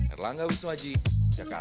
erlangga wiswaji jakarta